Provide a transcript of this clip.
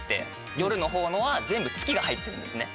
夜の方のは全部「月」が入ってるんですね。